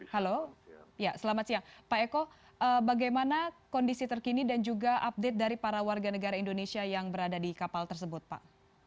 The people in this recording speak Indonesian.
halo selamat siang pak eko bagaimana kondisi terkini dan juga update dari para warga negara indonesia yang berada di kapal tersebut pak